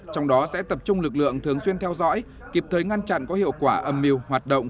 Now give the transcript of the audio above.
trong đó sẽ tập trung lực lượng thường xuyên theo dõi kịp thời ngăn chặn có hiệu quả âm mưu hoạt động